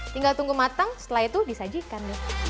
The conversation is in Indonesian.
tinggal tunggu matang setelah itu disajikan